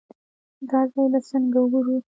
دا ځای به څنګه وګورو.